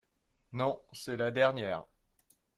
Non, c’est la dernière.